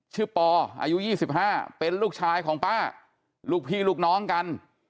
ปออายุ๒๕เป็นลูกชายของป้าลูกพี่ลูกน้องกัน